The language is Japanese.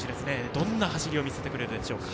どんな走りを見せてくれるでしょうか。